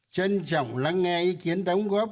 trân trọng lắng nghe ý kiến đóng góp